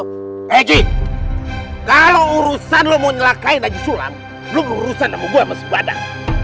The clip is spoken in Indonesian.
hei ji kalau urusan lu mau nyelakain haji sulam lu urusan sama gua sama sebadar